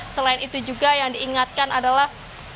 selain itu juga yang diingatkan adalah